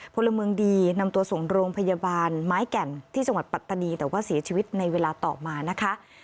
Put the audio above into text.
พลเมืองดีนำตัวส่งโรงพยาบาลไม้แก่นที่จังหวัดปัตตานีแต่ว่าเสียชีวิตในเวลาต่อมานะคะ